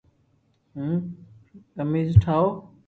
ھون قميس ٺاو